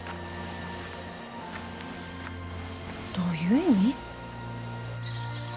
どういう意味？